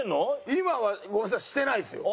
今はごめんなさいしてないですよ。